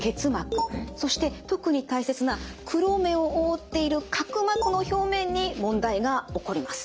そして特に大切な黒目を覆っている角膜の表面に問題が起こります。